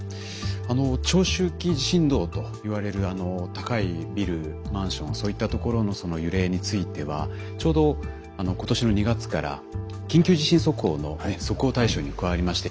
あの長周期地震動といわれる高いビルマンションそういったところの揺れについてはちょうど今年の２月から緊急地震速報の速報対象に加わりまして。